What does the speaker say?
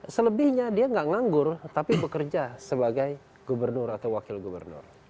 selebihnya dia nggak nganggur tapi bekerja sebagai gubernur atau wakil gubernur